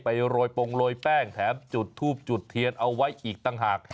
โรยปงโรยแป้งแถมจุดทูบจุดเทียนเอาไว้อีกต่างหาก